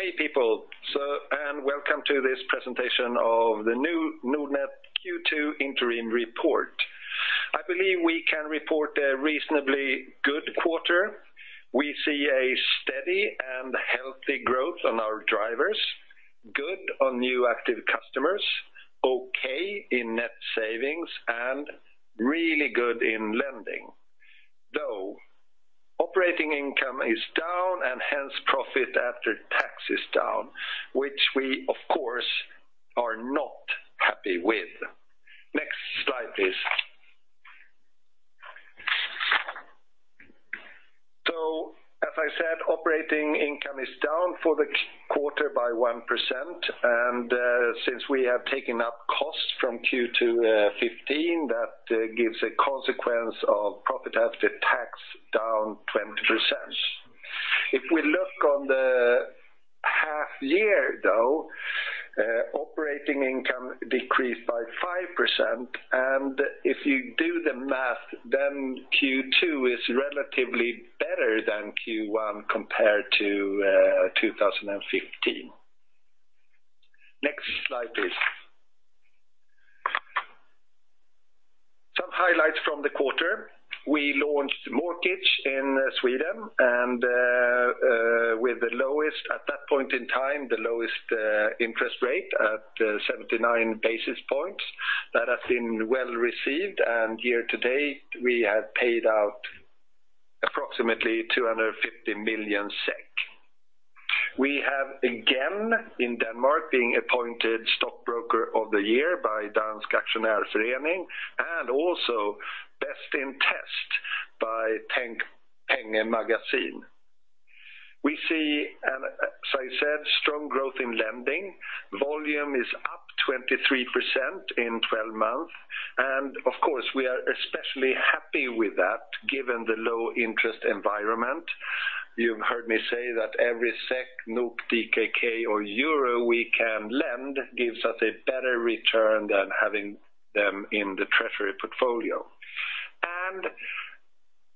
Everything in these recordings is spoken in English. Hey people, and welcome to this presentation of the new Nordnet Q2 interim report. I believe we can report a reasonably good quarter. We see a steady and healthy growth on our drivers, good on new active customers, okay in net savings, and really good in lending, though operating income is down and hence profit after tax is down, which we of course are not happy with. Next slide, please. As I said, operating income is down for the quarter by 1%, and since we have taken up costs from Q2 2015, that gives a consequence of profit after tax down 20%. If we look on the half year though, operating income decreased by 5%, and if you do the math, then Q2 is relatively better than Q1 compared to 2015. Next slide, please. Some highlights from the quarter. We launched mortgage in Sweden and with the lowest, at that point in time, the lowest interest rate at 79 basis points. That has been well-received, and year to date, we have paid out approximately 250 million SEK. We have again, in Denmark, been appointed Stock Broker of the Year by Dansk Aktionærforening, and also best in test by Tænk Penge Magasin. We see, as I said, strong growth in lending. Volume is up 23% in 12 months. Of course, we are especially happy with that given the low interest environment. You've heard me say that every SEK, NOK, DKK or euro we can lend gives us a better return than having them in the treasury portfolio.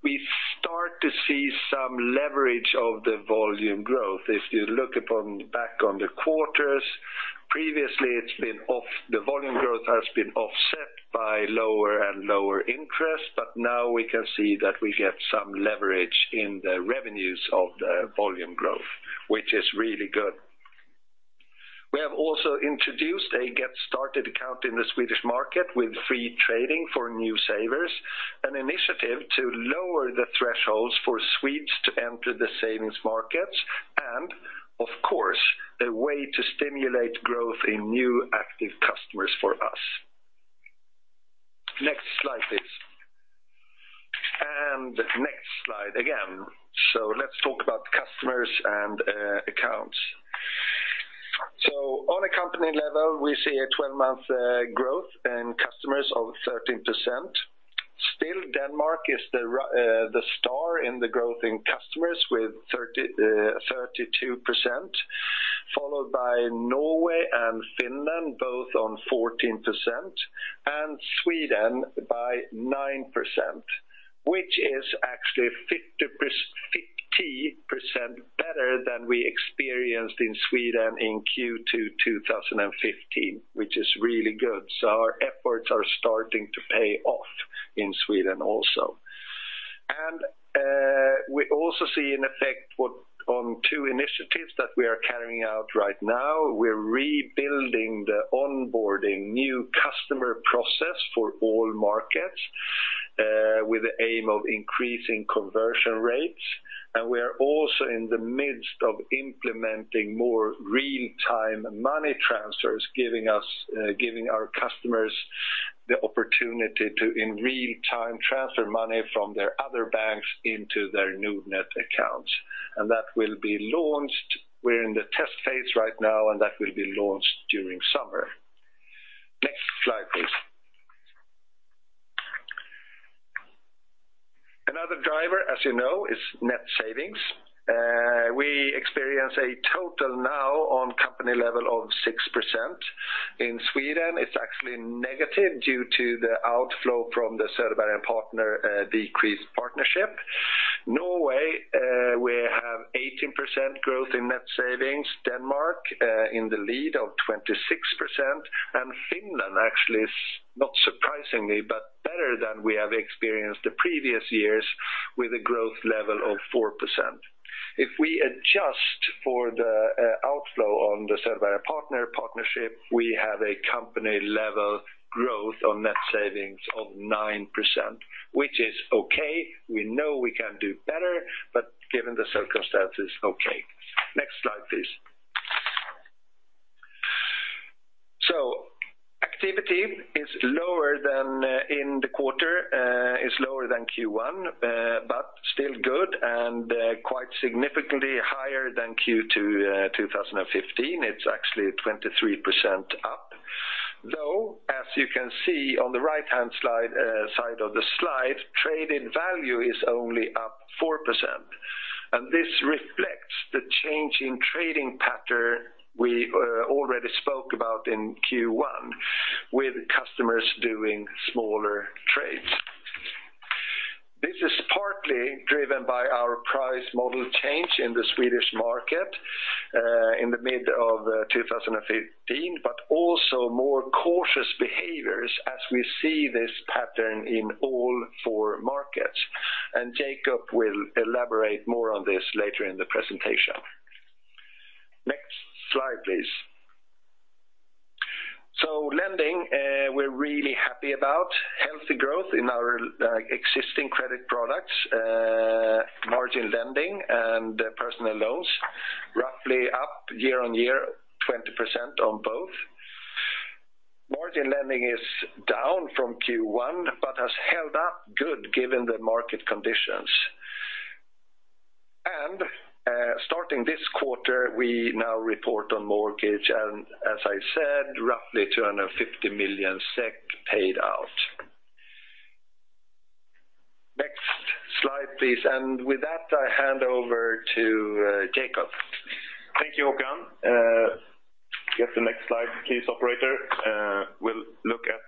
We start to see some leverage of the volume growth. If you look back on the quarters, previously the volume growth has been offset by lower and lower interest, now we can see that we get some leverage in the revenues of the volume growth, which is really good. We have also introduced a get started account in the Swedish market with free trading for new savers, an initiative to lower the thresholds for Swedes to enter the savings markets, and of course, a way to stimulate growth in new active customers for us. Next slide, please. Next slide again. Let's talk about customers and accounts. On a company level, we see a 12-month growth in customers of 13%. Still, Denmark is the star in the growth in customers with 32%, followed by Norway and Finland, both on 14%, and Sweden by 9%, which is actually 50% better than we experienced in Sweden in Q2 2015, which is really good. Our efforts are starting to pay off in Sweden also. We also see an effect on two initiatives that we are carrying out right now. We're rebuilding the onboarding new customer process for all markets with the aim of increasing conversion rates. We are also in the midst of implementing more real-time money transfers, giving our customers the opportunity to, in real time, transfer money from their other banks into their Nordnet accounts. We're in the test phase right now, and that will be launched during summer. Next slide, please. Another driver, as you know, is net savings. We experience a total now on company level of 6%. In Sweden, it's actually negative due to the outflow from the Söderberg & Partnesr decreased partnership. Norway, we have 18% growth in net savings, Denmark in the lead of 26%, Finland actually is not surprisingly, but better than we have experienced the previous years with a growth level of 4%. If we adjust for the outflow on the Söderberg partnership, we have a company-level growth on net savings of 9%, which is okay. We know we can do better, but given the circumstances, okay. Next slide, please. Activity in the quarter is lower than Q1, but still good and quite significantly higher than Q2 2015. It's actually 23% up. Though, as you can see on the right-hand side of the slide, traded value is only up 4%. This reflects the change in trading pattern we already spoke about in Q1, with customers doing smaller trades. This is partly driven by our price model change in the Swedish market in the mid of 2015, but also more cautious behaviors as we see this pattern in all four markets. Jacob will elaborate more on this later in the presentation. Next slide, please. Lending, we're really happy about healthy growth in our existing credit products. Margin lending and personal loans, roughly up year-on-year, 20% on both. Margin lending is down from Q1, but has held up good given the market conditions. Starting this quarter, we now report on mortgage and as I said, roughly 250 million SEK paid out. Next slide, please. With that, I hand over to Jacob. Thank you, Håkan. Get the next slide please, operator. We'll look at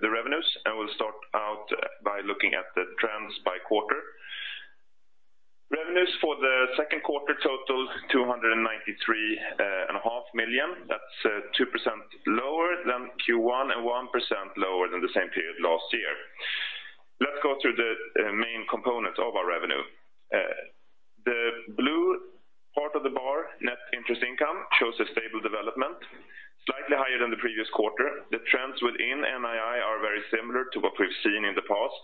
the revenues, and we'll start out by looking at the trends by quarter. Revenues for the second quarter totals 293 and a half million. That's 2% lower than Q1 and 1% lower than the same period last year. Let's go through the main components of our revenue. The blue part of the bar, net interest income, shows a stable development, slightly higher than the previous quarter. The trends within NII are very similar to what we've seen in the past,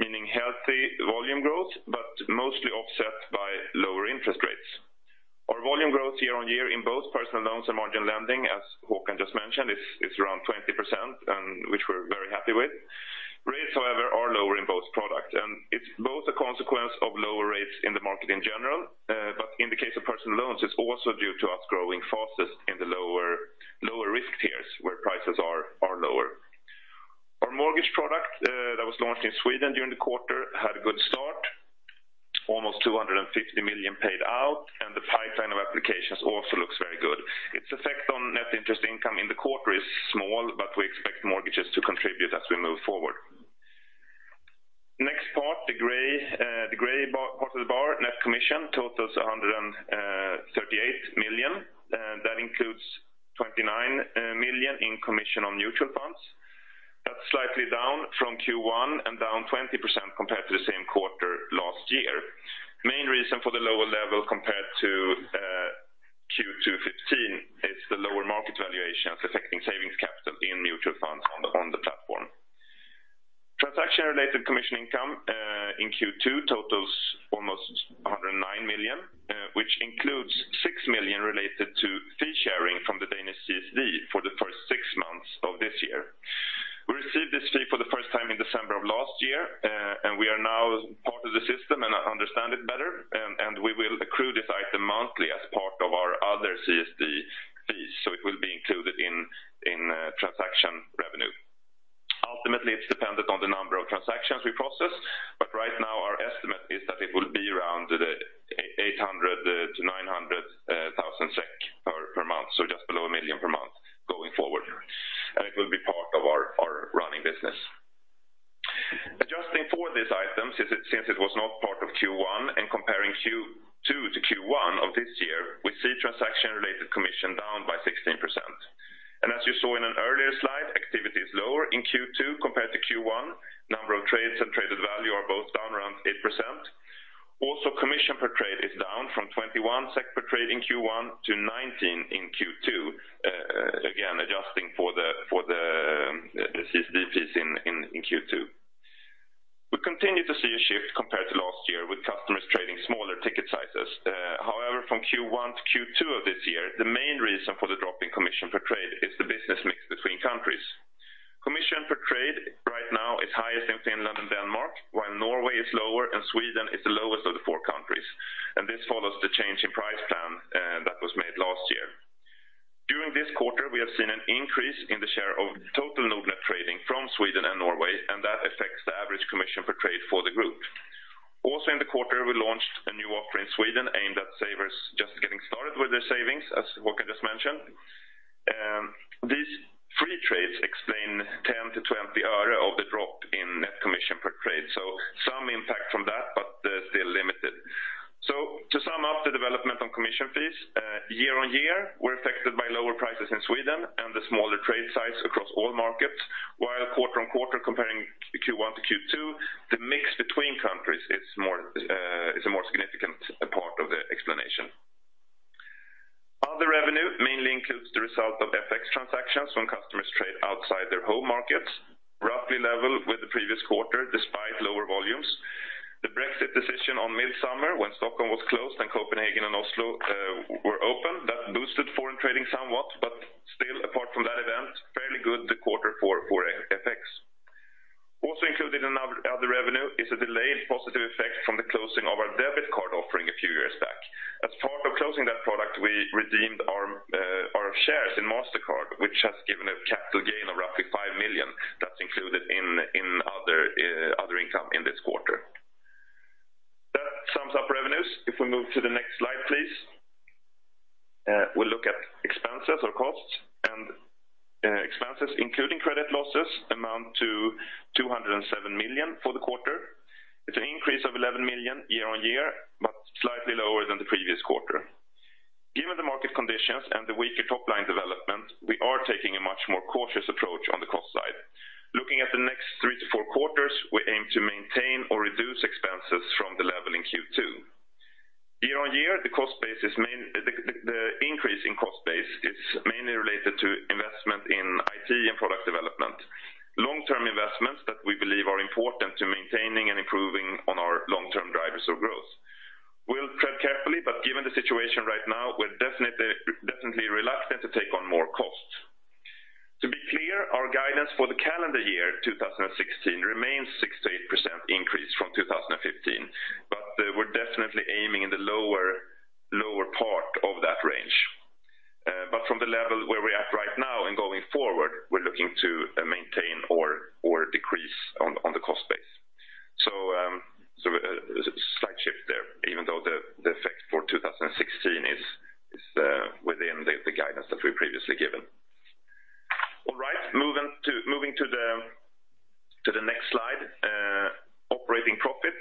meaning healthy volume growth, but mostly offset by lower interest rates. Our volume growth year-on-year in both personal loans and margin lending, as Håkan just mentioned, is around 20% and which we're very happy with. Rates, however, are lower in both products, and it's both a consequence of lower rates in the market in general. In the case of personal loans, it's also due to us growing fastest in the lower risk tiers where prices are lower. Our mortgage product that was launched in Sweden during the quarter had a good start. Almost 250 million paid out, and the pipeline of applications also looks very good. Its effect on net interest income in the quarter is small, but we expect mortgages to contribute as we move forward. Next part, the gray part of the bar, net commission, totals 138 million. That includes 29 million in commission on mutual funds. That's slightly down from Q1 and down 20% compared to the same quarter last year. Main reason for the lower level compared to Q2 2015 is the lower market valuations affecting savings capital in mutual funds on the platform. Transaction-related commission income in Q2 totals almost 109 million, which includes 6 million related to fee sharing from the Danish CSD for the first six months of this year. We received this fee for the first time in December of last year, we are now part of the system and understand it better, we will accrue this item monthly as part of our other CSD fees, so it will be included in transaction revenue. Ultimately, it's dependent on the number of transactions we process, but right now our estimate is that it will be around 800,000-900,000 SEK per month, so just below 1 million per month going forward. It will be part of our running business. Adjusting for this item since it was not part of Q1 and comparing Q2 to Q1 of this year, we see transaction-related commission down by 16%. As you saw in an earlier slide, activity is lower in Q2 compared to Q1. Number of trades and traded value are both down around 8%. Commission per trade is down from 21 SEK per trade in Q1 to 19 in Q2. Again, adjusting for the CSD fees in Q2. We continue to see a shift compared to last year with customers trading smaller ticket sizes. From Q1 to Q2 of this year, the main reason for the drop in commission per trade is the business mix between countries. Commission per trade right now is highest in Finland and Denmark, while Norway is lower and Sweden is the lowest of the four countries. This follows the change in price plan that was made last year. During this quarter, we have seen an increase in the share of total Nordnet trading from Sweden and Norway, that affects the average commission per trade for the group. In the quarter, we launched a new offer in Sweden aimed at savers just getting started with their savings, as Håkan just mentioned. These free trades explain 10-20 euro of the drop in net commission per trade. Some impact from that, but still limited. To sum up the development on commission fees, year-on-year, we're affected by lower prices in Sweden and the smaller trade size across all markets, while quarter-on-quarter comparing Q1 to Q2, the mix between countries is a more significant part of the explanation. Other revenue mainly includes the result of FX transactions when customers trade outside their home markets. Roughly level with the previous quarter despite lower volumes. The Brexit decision on midsummer when Stockholm was closed and Copenhagen and Oslo were open, that boosted foreign trading somewhat, but still, apart from that event, fairly good quarter for FX. Included in our other revenue is a delayed positive effect from the closing of our debit card offering a few years back. As part of closing that product, we redeemed our shares in Mastercard, which has given a capital gain of roughly 5 million. That's included in other income in this quarter. That sums up revenues. If we move to the next slide, please. Expenses or costs and expenses, including credit losses amount to 207 million for the quarter. It's an increase of 11 million year-on-year, but slightly lower than the previous quarter. Given the market conditions and the weaker top-line development, we are taking a much more cautious approach on the cost side. Looking at the next three to four quarters, we aim to maintain or reduce expenses from the level in Q2. Year-on-year, the increase in cost base is mainly related to investment in IT and product development. Long-term investments that we believe are important to maintaining and improving on our long-term drivers of growth. Given the situation right now, we're definitely reluctant to take on more costs. To be clear, our guidance for the calendar year 2016 remains 6%-8% increase from 2015, we're definitely aiming in the lower part of that range. From the level where we're at right now and going forward, we're looking to maintain or decrease on the cost base. A slight shift there, even though the effect for 2016 is within the guidance that we've previously given. All right, moving to the next slide. Operating profit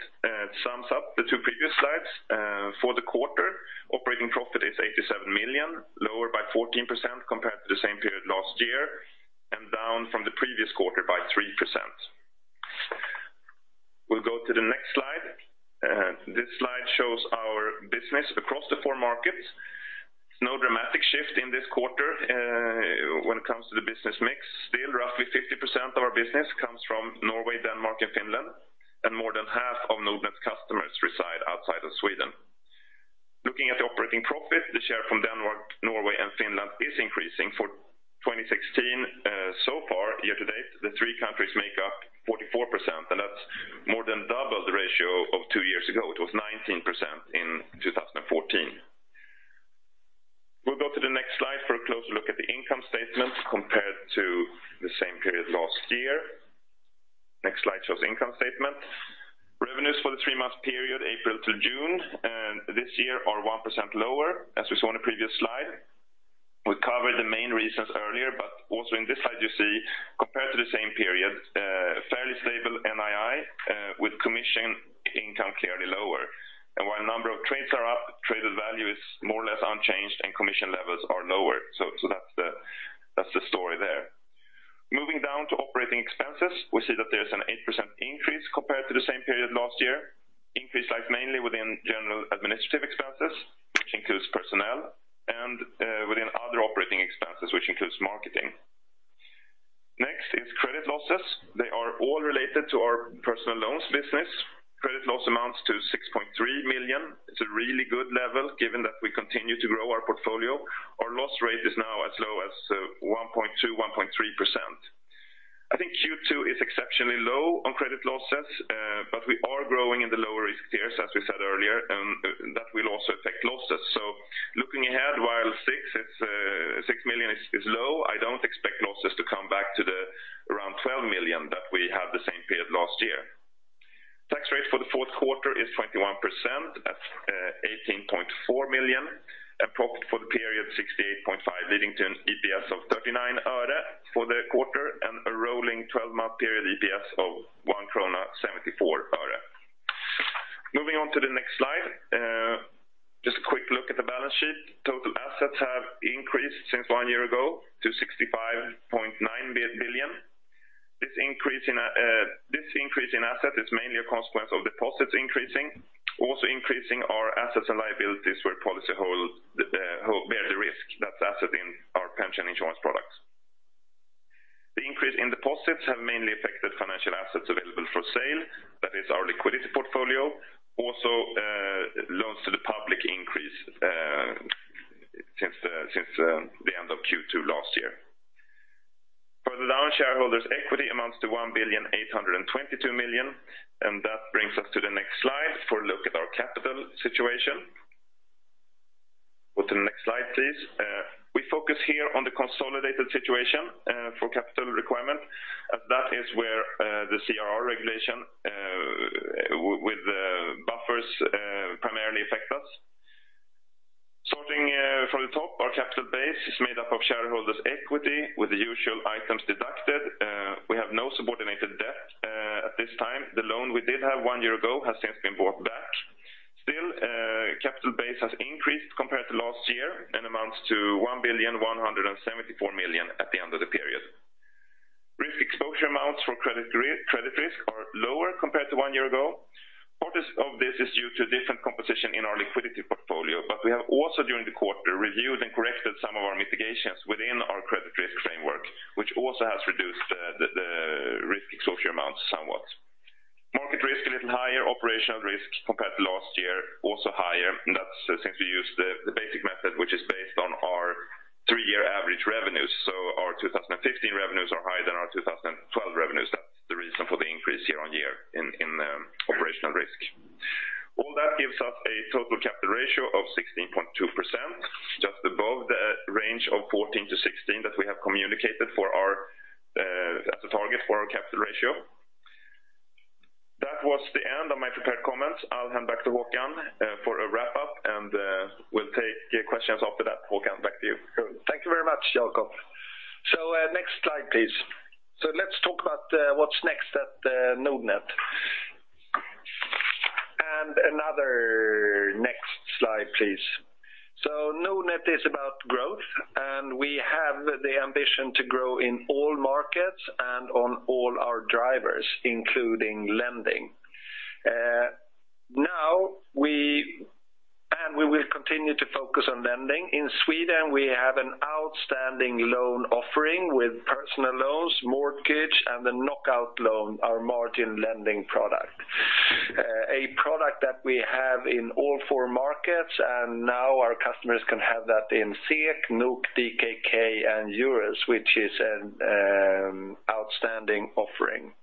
sums up the two previous slides. For the quarter, operating profit is 87 million, lower by 14% compared to the same period last year, and down from the previous quarter by 3%. We'll go to the next slide. This slide shows our business across the four markets. There's no dramatic shift in this quarter when it comes to the business mix. Still roughly 50% of our business comes from Norway, Denmark, and Finland, and more than half of Nordnet's customers reside outside of Sweden. Looking at the operating profit, the share from Denmark, Norway, and Finland is increasing for 2016. So far, year-to-date, the three countries make up 44%, and that's more than double the ratio of two years ago. It was 19% in 2014. We'll go to the next slide for a closer look at the income statement compared to the same period last year. Next slide shows income statement. Revenues for the three-month period, April to June, this year are 1% lower, as we saw in the previous slide. Also in this slide you see, compared to the same period, a fairly stable NII, with commission income clearly lower. While number of trades are up, traded value is more or less unchanged and commission levels are lower. That's the story there. Moving down to operating expenses, we see that there's an 8% increase compared to the same period last year. Increase lies mainly within general administrative expenses, which includes personnel, and within other operating expenses, which includes marketing. Next is credit losses. They are all related to our personal loans business. Credit loss amounts to 6.3 million. It's a really good level given that we continue to grow our portfolio. Our loss rate is now as low as 1.2%, 1.3%. I think Q2 is exceptionally low on credit losses, we are growing in the lower risk tiers, as we said earlier, and that will also affect losses. Looking ahead, while 6 million is low, I don't expect losses to come back to the around 12 million that we had the same period last year. Tax rate for the fourth quarter is 21%. That's 18.4 million. Profit for the period, 68.5, leading to an EPS of 0.39 for the quarter and a rolling 12-month period EPS of 1.74 krona. Moving on to the next slide. Just a quick look at the balance sheet. Total assets have increased since one year ago to 65.9 billion. This increase in assets is mainly a consequence of deposits increasing. Also increasing are assets and liabilities where policyholders bear the risk. That's asset in our pension insurance products. The increase in deposits have mainly affected financial assets available for sale. That is our liquidity portfolio. Also, loans to the public increase since the end of Q2 last year. For the loan shareholders, equity amounts to 1 billion, 822 million, and that brings us to the next slide for a look at our capital situation. Go to the next slide, please. We focus here on the consolidated situation for Capital Requirements Regulation. That is where the CRR regulation with buffers primarily affect us. Starting from the top, our capital base is made up of shareholders' equity with the usual items deducted. We have no subordinated debt at this time. The loan we did have one year ago has since been bought back. Still, capital base has increased compared to last year and amounts to 1 billion, 174 million at the end of the period. Risk exposure amounts for credit risk are lower compared to one year ago. Part of this is due to different composition in our liquidity portfolio, but we have also during the quarter reviewed and corrected some of our mitigations within our credit risk framework, which also has reduced the risk exposure amounts somewhat. Market risk a little higher. Operational risk compared to last year, also higher, and that's since we used the basic method, which is based on our three-year average revenues. Our 2015 revenues are higher than our 2012 revenues. That's the reason for the increase year-on-year in operational risk. All that gives us a total capital ratio of 16.2%, just above the range of 14%-16% that we have communicated as a target for our capital ratio. That was the end of my prepared comments. I'll hand back to Håkan for a wrap-up, and we'll take your questions after that. Håkan, back to you. Good. Thank you very much, Jacob. Next slide, please. Let's talk about what's next at Nordnet. Another next slide, please. Nordnet is about growth, and we have the ambition to grow in all markets and on all our drivers, including lending. We will continue to focus on lending. In Sweden, we have an outstanding loan offering with personal loans, mortgage, and the Knockout loan, our margin lending product. A product that we have in all four markets, and now our customers can have that in SEK, NOK, DKK, and EUR, which is an outstanding offering.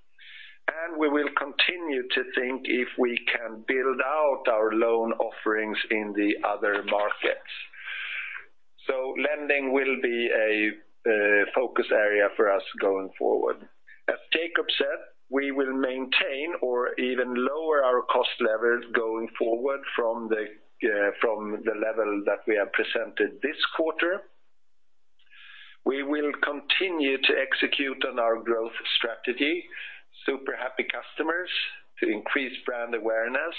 We will continue to think if we can build out our loan offerings in the other markets. Lending will be a focus area for us going forward. As Jacob said, we will maintain or even lower our cost level going forward from the level that we have presented this quarter. We will continue to execute on our growth strategy, super happy customers, to increase brand awareness,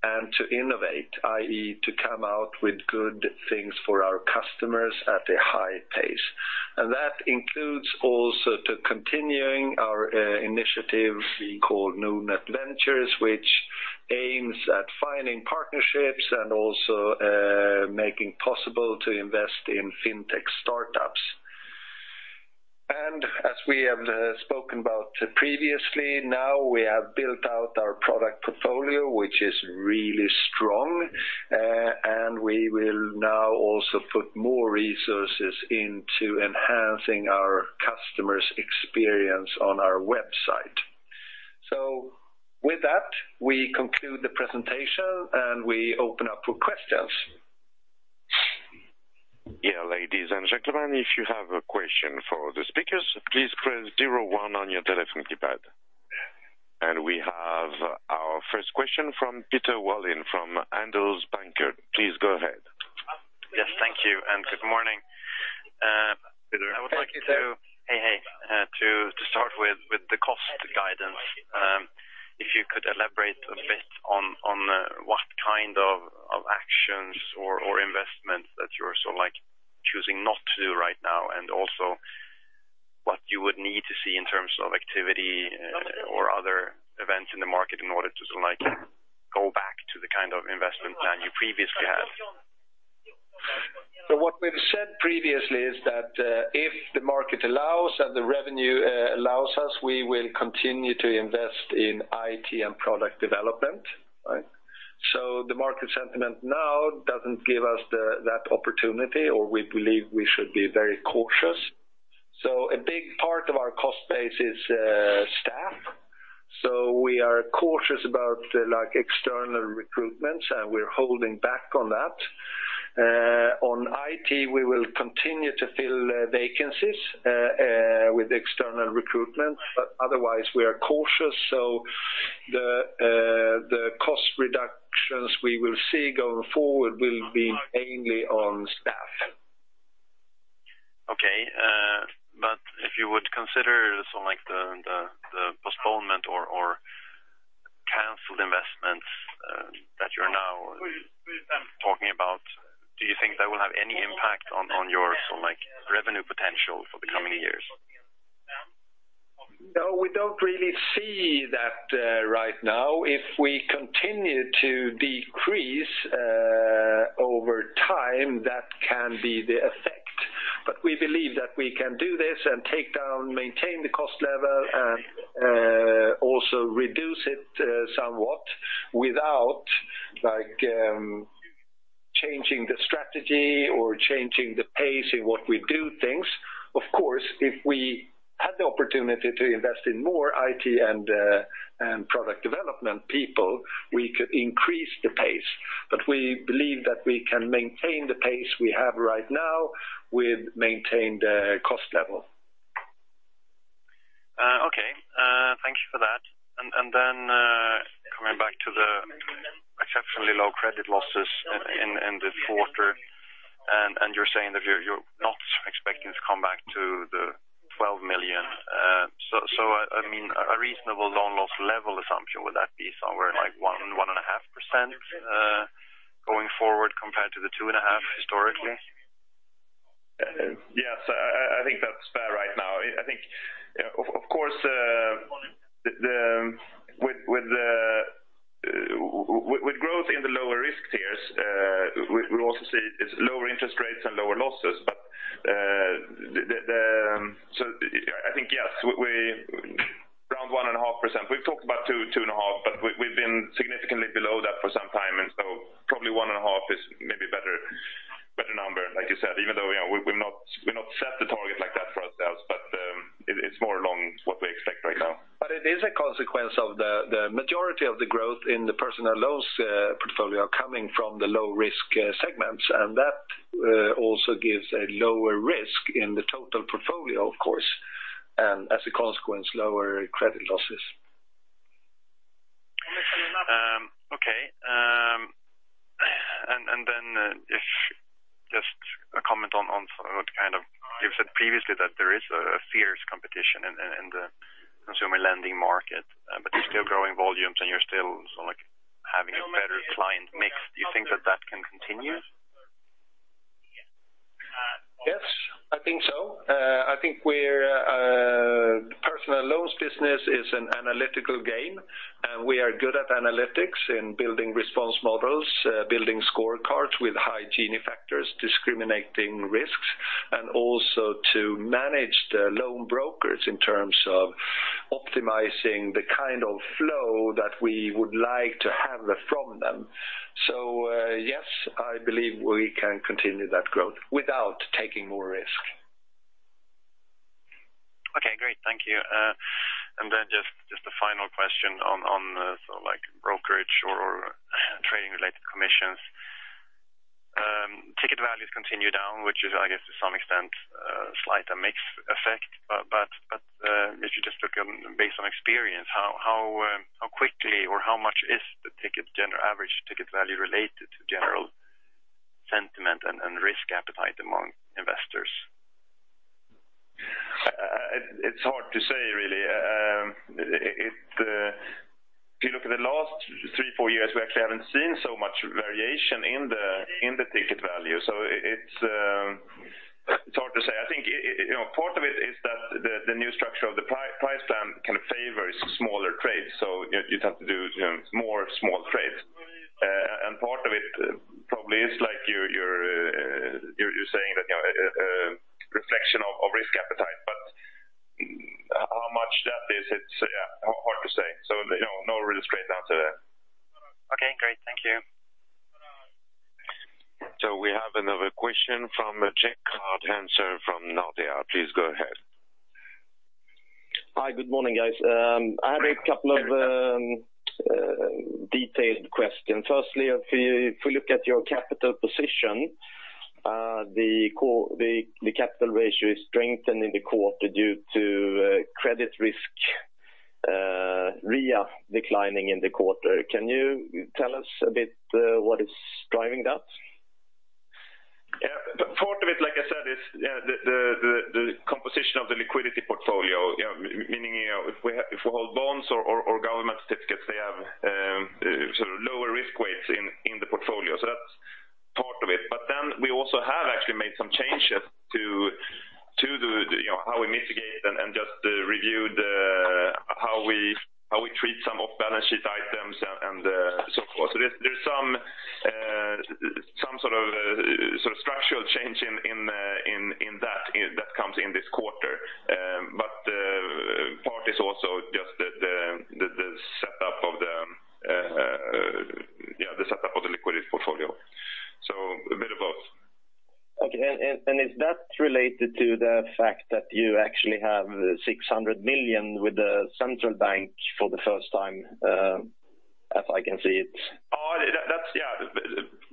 and to innovate, i.e. to come out with good things for our customers at a high pace. That includes also to continuing our initiative we call Nordnet Ventures, which aims at finding partnerships and also making possible to invest in fintech startups. As we have spoken about previously, now we have built out our product portfolio, which is really strong. We will now also put more resources into enhancing our customers' experience on our website. With that, we conclude the presentation, and we open up for questions. Yeah, ladies and gentlemen, if you have a question for the speakers, please press zero one on your telephone keypad. We have our first question from Peter Wallin from Handelsbanken. Please go ahead. Yes, thank you and good morning. Peter. I would like to- Thank you, Peter. Hey. To start with the cost guidance, if you could elaborate a bit on what kind of actions or investments that you're choosing not to do right now, and also what you would need to see in terms of activity or other events in the market in order to go back to the kind of investment plan you previously had. What we've said previously is that if the market allows and the revenue allows us, we will continue to invest in IT and product development. The market sentiment now doesn't give us that opportunity, or we believe we should be very cautious. A big part of our cost base is staff. We are cautious about external recruitments, and we're holding back on that. On IT, we will continue to fill vacancies with external recruitment. Otherwise, we are cautious. The cost reductions we will see going forward will be mainly on staff. Okay. If you would consider the postponement or canceled investments that you're now talking about, do you think that will have any impact on your revenue potential for the coming years? No, we don't really see that right now. If we continue to decrease over time, that can be the effect. We believe that we can do this and take down, maintain the cost level, and also reduce it somewhat without changing the strategy or changing the pace in what we do things. Of course, if we had the opportunity to invest in more IT and product development people, we could increase the pace. We believe that we can maintain the pace we have right now with maintained cost level. Okay. Thank you for that. Coming back to the exceptionally low credit losses in this quarter, and you're saying that you're not expecting to come back to the 12 million. A reasonable loan loss level assumption, would that be somewhere like 1%, 1.5% going forward compared to the 2.5% historically? Yes, I think that's fair right now. I think, of course, with growth in the lower risk tiers, we also see lower interest rates and lower losses. I think, yes, around 1.5%. We've talked about 2%, 2.5%, but we've been significantly below that for some time, and so probably 1.5% is maybe a better number, like you said, even though we've not set the target like that for ourselves, but it's more along what we expect right now. It is a consequence of the majority of the growth in the personal loans portfolio coming from the low-risk segments, and that also gives a lower risk in the total portfolio, of course, and as a consequence, lower credit losses. Just a comment on what you've said previously, that there is a fierce competition in the consumer lending market, but you're still growing volumes and you're still having a better client mix. Do you think that that can continue? Yes, I think so. I think personal loans business is an analytical game, and we are good at analytics in building response models, building scorecards with high Gini factors, discriminating risks, and also to manage the loan brokers in terms of optimizing the kind of flow that we would like to have from them. Yes, I believe we can continue that growth without taking more risk. Okay, great. Thank you. Just the final question on brokerage or trading-related commissions. Ticket values continue down, which is, I guess, to some extent, a slight mix effect. If you just look based on experience, how quickly or how much is the average ticket value related to general sentiment and risk appetite among investors? It's hard to say, really. If you look at the last three, four years, we actually haven't seen so much variation in the ticket value. It's hard to say. I think part of it is that the new structure of the price plan can favor smaller trades. You'd have to do more small trades. Part of it probably is like you're saying, that a reflection of risk appetite. How much that is, it's hard to say. There's no really straight answer there. Okay, great. Thank you. We have another question from Jack Hanser from Nordea. Please go ahead. Hi. Good morning, guys. I have a couple of detailed questions. Firstly, if we look at your capital position, the capital ratio is strengthened in the quarter due to credit risk RWA declining in the quarter. Can you tell us a bit what is driving that? Part of it, like I said, is the composition of the liquidity portfolio, meaning if we hold bonds or government certificates, they have lower risk weights in the portfolio. That's part of it. We also have actually made some changes to how we mitigate and just reviewed how we treat some off-balance sheet items and so forth. There's some sort of structural change in that comes in this quarter. Part is also just the setup of the liquidity portfolio. A bit of both. Okay. Is that related to the fact that you actually have 600 million with the central bank for the first time? As I can see it. That's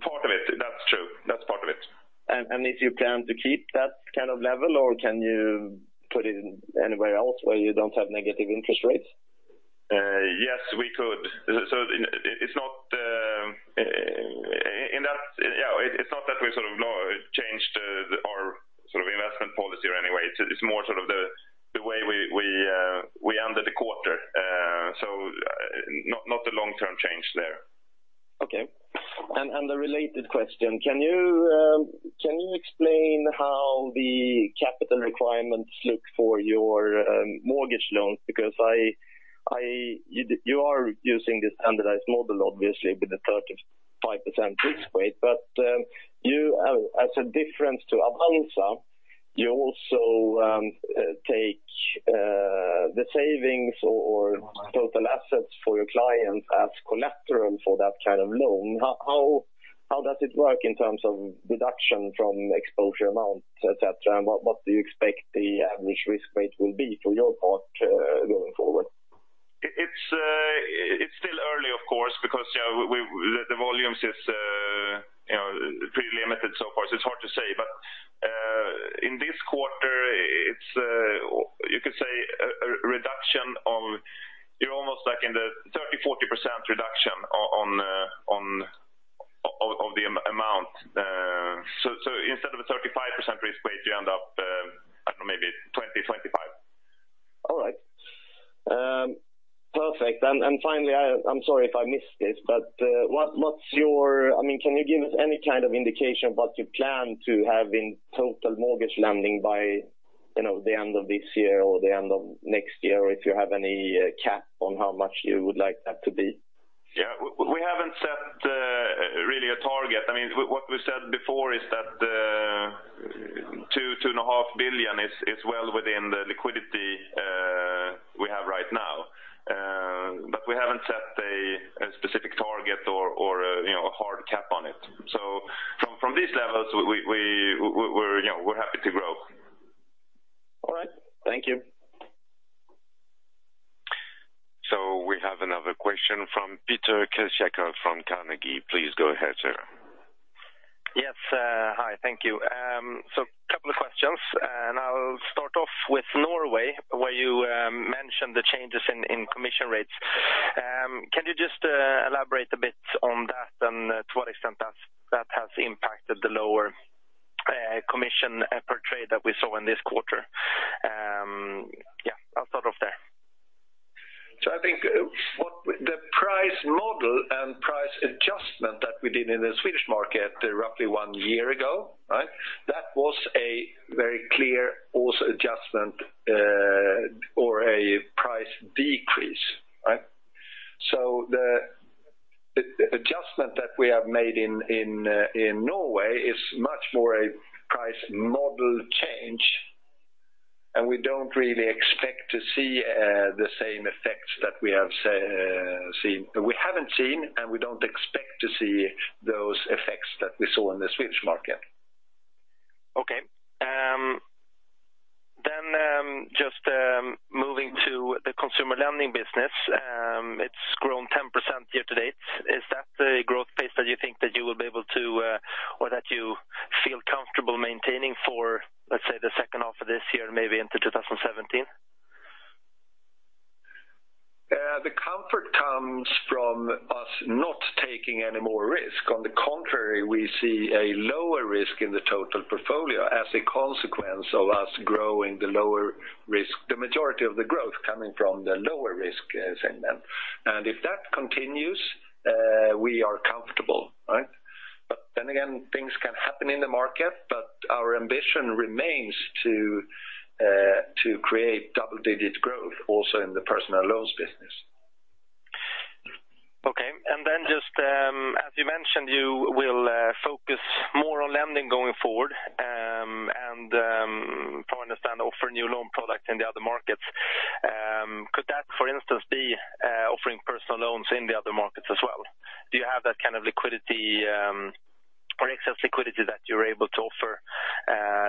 part of it. That's true. That's part of it. If you plan to keep that kind of level, or can you put it anywhere else where you don't have negative interest rates? Yes, we could. It's not that we changed our investment policy anyway. It's more the way we ended the quarter. Not a long-term change there. Okay. The related question, can you explain how the Capital Requirements look for your mortgage loans? Because you are using the standardized model, obviously, with the 35% risk weight. You, as a difference to Avanza, you also take the savings or total assets for your clients as collateral for that kind of loan. How does it work in terms of deduction from exposure amount, et cetera, and what do you expect the average risk weight will be for your part going forward? It's still early, of course, because the volumes is pretty limited so far, so it's hard to say. In this quarter, you could say a reduction of almost like in the 30%, 40% reduction of the amount. Instead of a 35% risk weight, you end up at maybe 20%, 25%. All right. Perfect. Finally, I'm sorry if I missed this, can you give us any kind of indication what you plan to have in total mortgage lending by the end of this year or the end of next year, or if you have any cap on how much you would like that to be? We haven't set really a target. What we said before is that two and a half billion is well within the liquidity we have right now. We haven't set a specific target or a hard cap on it. From these levels, we're happy to grow. All right. Thank you. We have another question from Peter Kirsebner from Carnegie. Please go ahead, sir. Yes. Hi, thank you. Couple of questions, and I'll start off with Norway, where you mentioned the changes in commission rates. Can you just elaborate a bit on that and to what extent that has impacted the lower commission per trade that we saw in this quarter? Yeah, I'll start off there. I think the price model and price adjustment that we did in the Swedish market roughly one year ago. That was a very clear also adjustment, or a price decrease. The adjustment that we have made in Norway is much more a price model change, and we don't really expect to see the same effects that we haven't seen, and we don't expect to see those effects that we saw in the Swedish market. Okay. Just moving to the consumer lending business. It's grown 10% year-to-date. Is that the growth pace that you think that you will be able to, or that you feel comfortable maintaining for, let's say, the second half of this year, maybe into 2017? The comfort comes from us not taking any more risk. On the contrary, we see a lower risk in the total portfolio as a consequence of us growing the lower risk, the majority of the growth coming from the lower risk segment. If that continues, we are comfortable. Again, things can happen in the market, but our ambition remains to create double-digit growth also in the personal loans business. Okay. Just as you mentioned, you will focus more on lending going forward, and if I understand, offer new loan products in the other markets. Could that, for instance, be offering personal loans in the other markets as well? Do you have that kind of liquidity, or excess liquidity that you're able to offer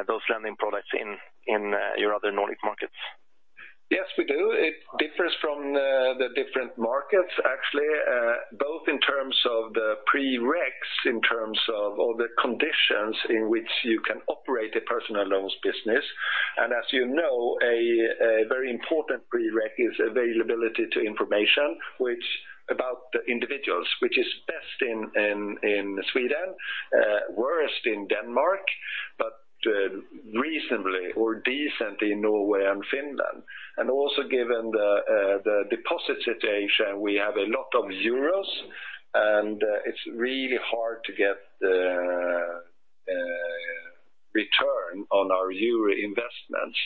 those lending products in your other Nordic markets? Yes, we do. It differs from the different markets actually, both in terms of the prereqs, in terms of all the conditions in which you can operate a personal loans business. As you know, a very important prereq is availability to information, which about the individuals, which is best in Sweden, worst in Denmark, but reasonably or decent in Norway and Finland. Also given the deposit situation, we have a lot of euros, and it's really hard to get return on our euro investments.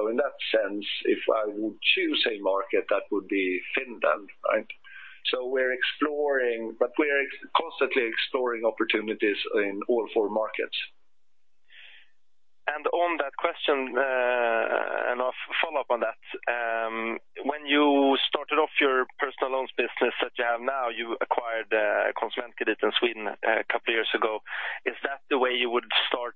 In that sense, if I would choose a market, that would be Finland. We're exploring, but we're constantly exploring opportunities in all four markets. On that question, I'll follow up on that. When you started off your personal loans business that you have now, you acquired Konsumentkredit in Sweden a couple of years ago. Is that the way you would start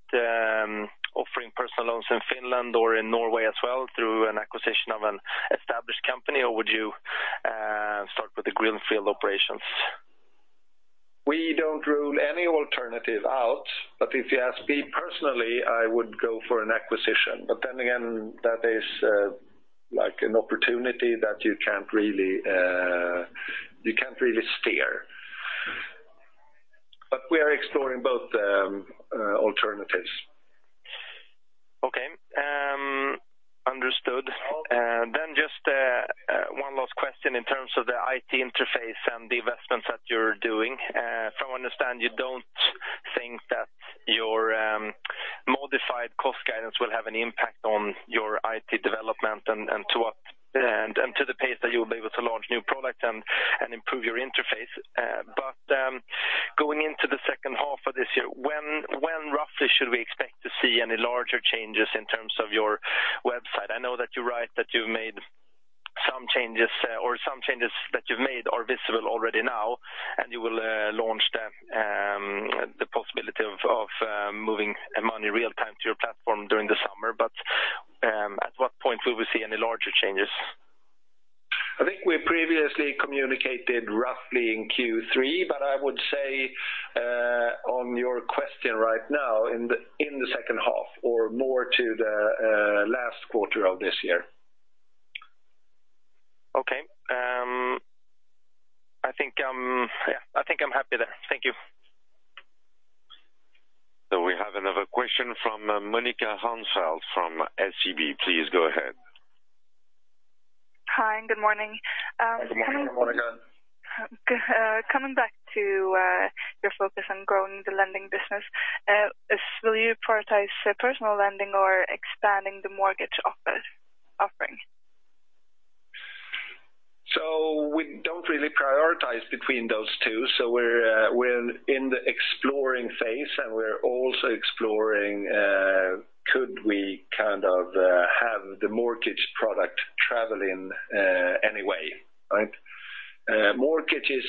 offering personal loans in Finland or in Norway as well through an acquisition of an established company? Or would you start with the greenfield operations? We don't rule any alternative out, if you ask me personally, I would go for an acquisition. Again, that is an opportunity that you can't really steer. We are exploring both alternatives. Okay. Understood. Just one last question in terms of the IT interface and the investments that you're doing. If I understand, you don't think that your modified cost guidance will have an impact on your IT development and to the pace that you'll be able to launch new product and improve your interface. Going into the second half of this year, when roughly should we expect to see any larger changes in terms of your website? I know that you write that you made some changes, or some changes that you've made are visible already now, and you will launch the possibility of moving money real time to your platform during the summer. At what point will we see any larger changes? I think we previously communicated roughly in Q3, I would say, on your question right now, in the second half or more to the last quarter of this year. Okay. I think I'm happy there. Thank you. We have another question from Moneka Hensel from SEB. Please go ahead. Hi, good morning. Good morning, Moneka. Coming back to your focus on growing the lending business. Will you prioritize personal lending or expanding the mortgage offering? We don't really prioritize between those two. We're in the exploring phase, and we're also exploring could we have the mortgage product travel in any way. Mortgage is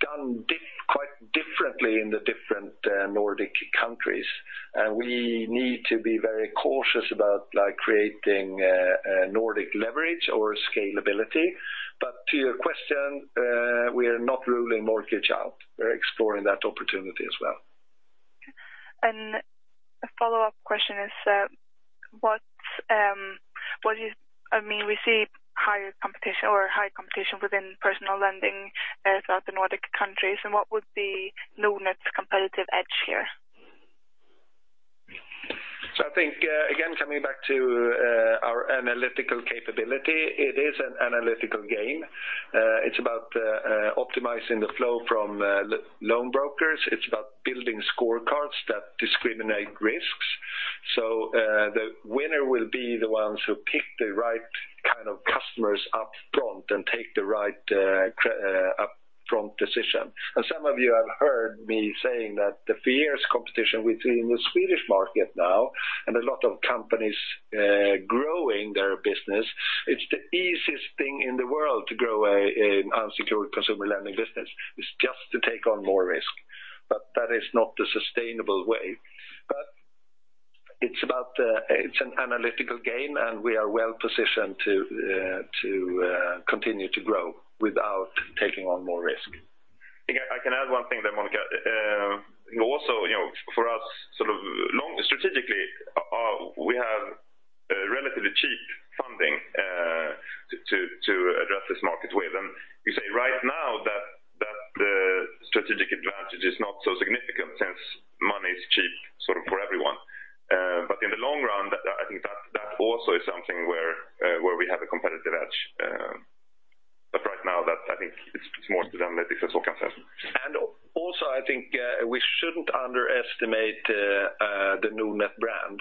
done quite differently in the different Nordic countries, and we need to be very cautious about creating a Nordic leverage or scalability. To your question, we are not ruling mortgage out. We're exploring that opportunity as well. A follow-up question is, we see high competition within personal lending throughout the Nordic countries, and what would be Nordnet's competitive edge here? I think, again, coming back to our analytical capability, it is an analytical game. It's about optimizing the flow from loan brokers. It's about building scorecards that discriminate risks. The winner will be the ones who pick the right kind of customers up front and make the right up-front decision. Some of you have heard me saying that the fierce competition between the Swedish market now and a lot of companies growing their business, it's the easiest thing in the world to grow an unsecured consumer lending business. It's just to take on more risk. That is not the sustainable way. It's an analytical game, and we are well-positioned to continue to grow without taking on more risk. I can add one thing there, Monica. For us strategically, we have relatively cheap funding to address this market with. You say right now that the strategic advantage is not so significant since money is cheap for everyone. In the long run, I think that also is something where we have a competitive edge. Right now, I think it's more to do than that because I think we shouldn't underestimate the Nordnet brand.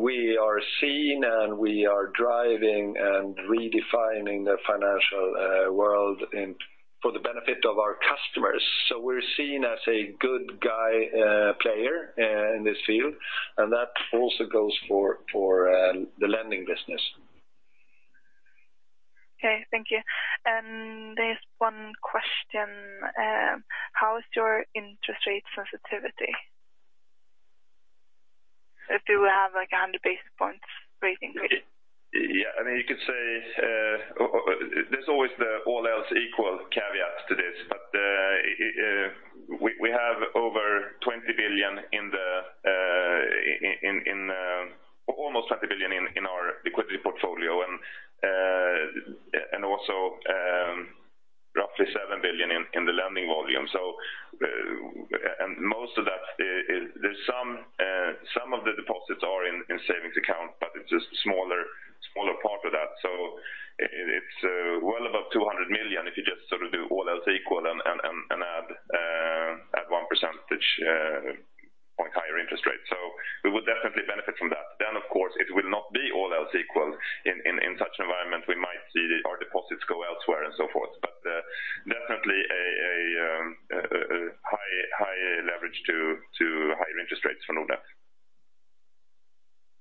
We are seen, and we are driving and redefining the financial world for the benefit of our customers. We're seen as a good guy player in this field, and that also goes for the lending business. Okay, thank you. There's one question. How is your interest rate sensitivity? Do we have like 100 basis points rate increase? Yeah. You could say there's always the all-else-equal caveat to this, we have almost 20 billion in our liquidity portfolio and also roughly seven billion in the lending volume. Some of the deposits are in savings accounts, it's just a smaller part of that. It's well above 200 million if you just do all else equal and add one percentage point higher interest rate. We would definitely benefit from that. Of course, it will not be all else equal. In such an environment, we might see our deposits go elsewhere and so forth. Definitely a high leverage to higher interest rates for Nordnet.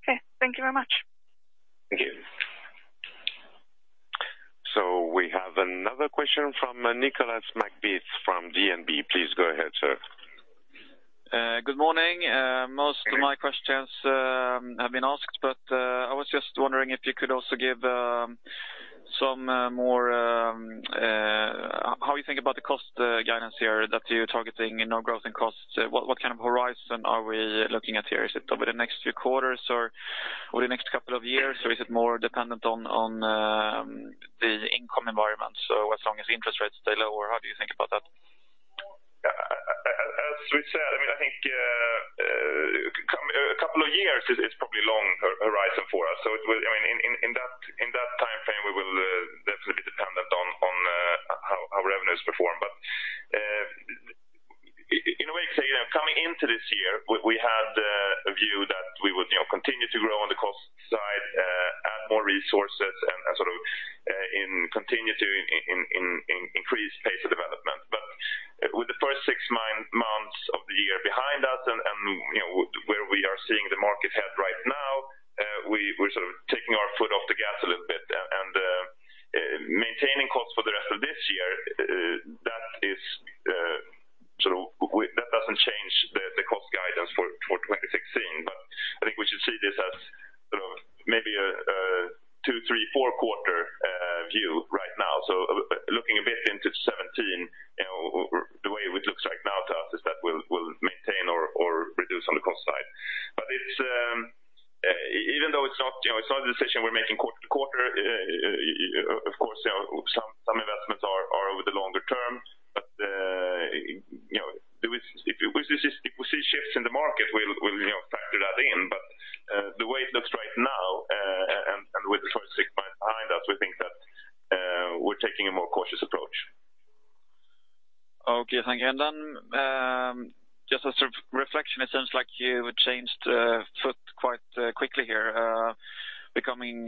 Okay. Thank you very much. Thank you. We have another question from Nicolas McBeath from DNB. Please go ahead, sir. Good morning. Most of my questions have been asked, I was just wondering if you could also give how you think about the cost guidance here that you're targeting in our growth and costs. What kind of horizon are we looking at here? Is it over the next few quarters or over the next couple of years, or is it more dependent on the income environment, as long as interest rates stay low, or how do you think about that? As we said, I think a couple of years is probably a long horizon for us. In that timeframe, we will definitely be dependent on how revenues perform. In a way, coming into this year, we had a view that we would continue to grow on the cost side, add more resources, and continue to increase pace of development. With the first six months of the year behind us and where we are seeing the market head right now, we're taking our foot off the gas a little bit and maintaining costs for the rest of this year. That doesn't change the cost guidance for 2016. I think we should see this as maybe a two, three, four-quarter view right now. Looking a bit into 2017, the way it looks right now to us is that we'll maintain or reduce on the cost side. Even though it's not a decision we're making quarter to quarter, of course, some investments are over the longer term. If we see shifts in the market, we'll factor that in. The way it looks right now, and with the first six months behind us, we think that we're taking a more cautious approach. Okay, thank you. Just as a reflection, it sounds like you changed foot quite quickly here, becoming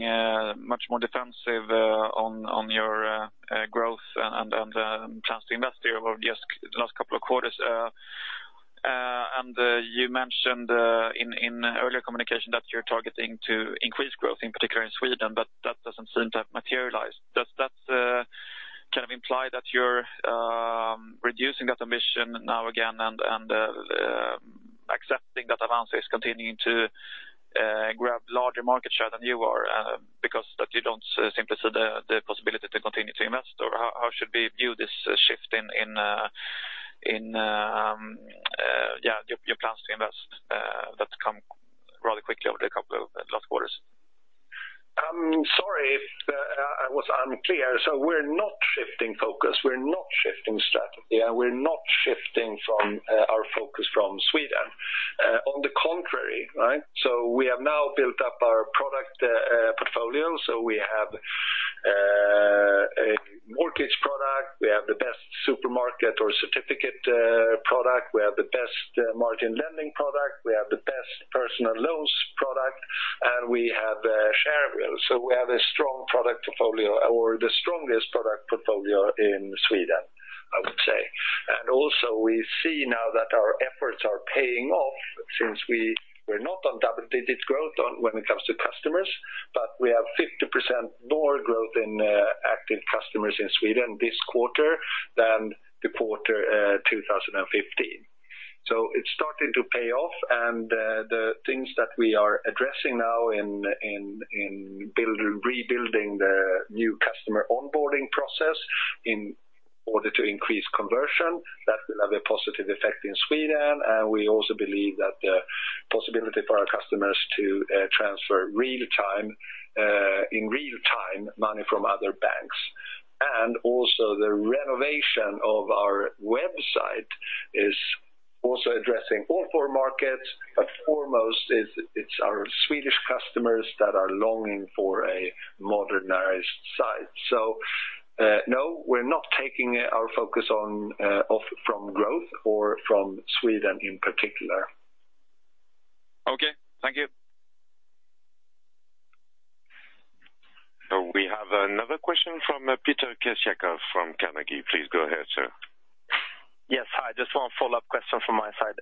much more defensive on your growth and plans to invest here over just the last couple of quarters. You mentioned in earlier communication that you're targeting to increase growth, in particular in Sweden, but that doesn't seem to have materialized. Does that imply that you're reducing that ambition now again and accepting that Avanza is continuing to grab larger market share than you are because you don't simply see the possibility to continue to invest? How should we view this shift in your plans to invest that's come rather quickly over the couple of last quarters? Sorry if I was unclear. We're not shifting focus, we're not shifting strategy, and we're not shifting our focus from Sweden. On the contrary, we have now built up our product portfolio. We have a mortgage product, we have the best supermarket or certificate product, we have the best margin lending product, we have the best personal loans product, and we have Shareville. We have a strong product portfolio or the strongest product portfolio in Sweden, I would say. Also we see now that our efforts are paying off since we're not on double-digit growth when it comes to customers, but we have 50% more growth in active customers in Sweden this quarter than the quarter 2015. It's starting to pay off, and the things that we are addressing now in rebuilding the new customer onboarding process in order to increase conversion, that will have a positive effect in Sweden. We also believe that the possibility for our customers to transfer in real-time money from other banks. Also the renovation of our website is also addressing all four markets, but foremost it's our Swedish customers that are longing for a modernized site. No, we're not taking our focus off from growth or from Sweden in particular. Okay. Thank you. We have another question from Peter Kjaerbye from Carnegie. Please go ahead, sir. Yes. Hi. Just one follow-up question from my side.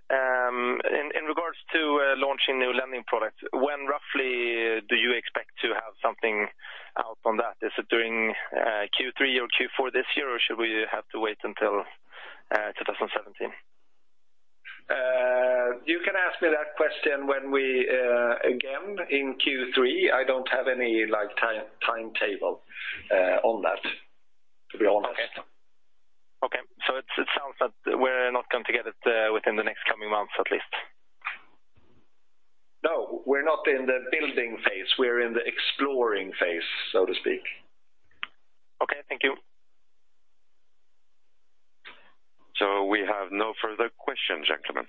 In regards to launching new lending products, when roughly do you expect to have something out on that? Is it during Q3 or Q4 this year, or should we have to wait until 2017? You can ask me that question when we, again, in Q3. I don't have any timetable on that, to be honest. Okay. It sounds like we're not going to get it within the next coming months at least. No, we're not in the building phase. We're in the exploring phase, so to speak. Okay, thank you. We have no further questions, gentlemen.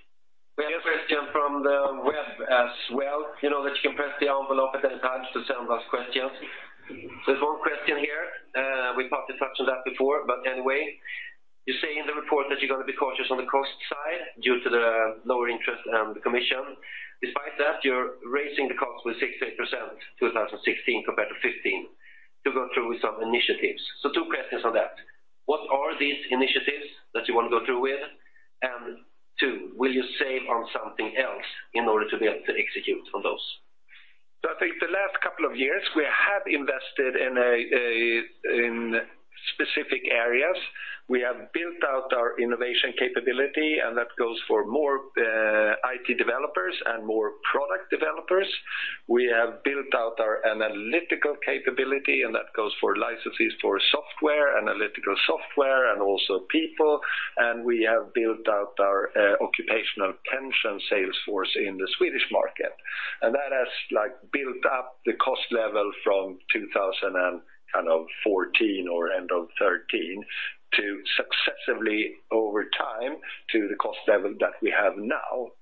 We have a question from the web as well. You know that you can press the envelope at any time to send us questions. There's one question here. We partly touched on that before. Anyway, you say in the report that you're going to be cautious on the cost side due to the lower interest and the commission. Despite that, you're raising the cost with 68% in 2016 compared to 2015 to go through with some initiatives. Two questions on that. What are these initiatives that you want to go through with? And two, will you save on something else in order to be able to execute on those? I think the last couple of years, we have invested in specific areas. We have built out our innovation capability, and that goes for more IT developers and more product developers. We have built out our analytical capability, and that goes for licenses for software, analytical software, and also people. We have built out our occupational pension sales force in the Swedish market. That has built up the cost level from 2014 or end of 2013 to successively over time to the cost level that we have now.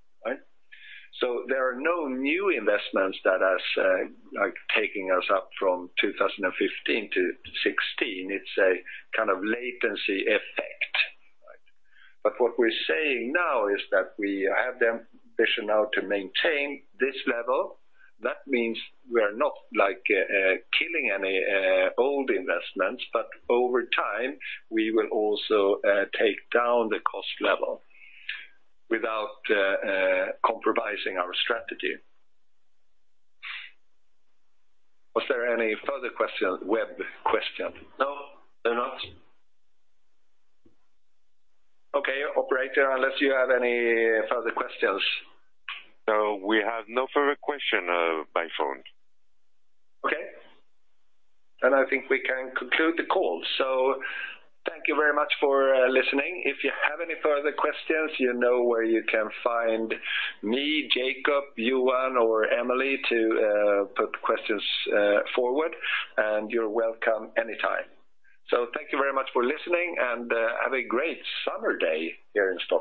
There are no new investments that are taking us up from 2015 to 2016. It's a latency effect. What we're saying now is that we have the ambition now to maintain this level. That means we are not killing any old investments, but over time, we will also take down the cost level without compromising our strategy. Was there any further web question? No, there's not. Okay, operator, unless you have any further questions. No, we have no further question by phone. Okay. I think we can conclude the call. Thank you very much for listening. If you have any further questions, you know where you can find me, Jacob, Johan, or Emily to put the questions forward, and you're welcome anytime. Thank you very much for listening, and have a great summer day here in Stockholm.